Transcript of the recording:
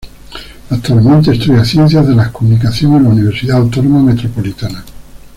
Actualmente estudia Ciencias de la Comunicación en la Universidad Autónoma Metropolitana.